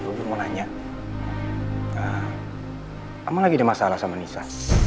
ma dulu mau nanya apa lagi masalah sama nisa